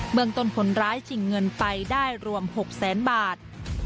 เบื้องต้นผลร้ายจิงเงินไปได้รวม๖๐๐๐๐๐บาท